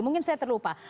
mungkin saya terlupa